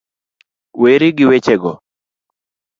Weri gi wechego